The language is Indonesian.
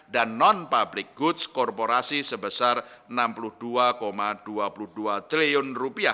dan non public goods korporasi sebesar rp enam puluh dua dua puluh dua triliun